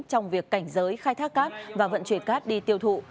trong việc cảnh giới khai thác cát và vận chuyển cát đi tiêu thụ